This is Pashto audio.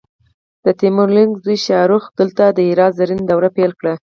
د تیمور لنګ زوی شاهرخ دلته د هرات زرین دور پیل کړ